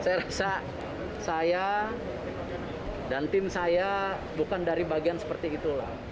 saya rasa saya dan tim saya bukan dari bagian seperti itulah